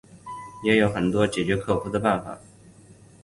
也有很多解决克服的方法